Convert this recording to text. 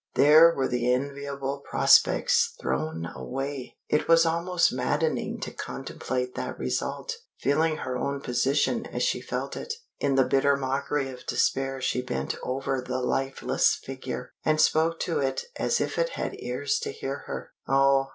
there were the enviable prospects thrown away! It was almost maddening to contemplate that result, feeling her own position as she felt it. In the bitter mockery of despair she bent over the lifeless figure, and spoke to it as if it had ears to hear her. "Oh!"